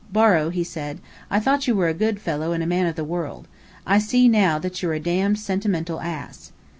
"Borrow," he said, "I thought you were a good fellow and a man of the world. I see now that you're a damned sentimental ass."